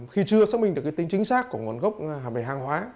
khi chưa xác minh được tính chính xác của nguồn gốc hạm đề hàng hóa